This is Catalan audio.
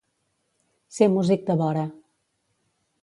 Ser músic de vora.